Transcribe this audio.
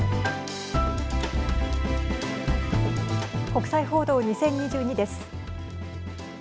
国際報道２０２２です。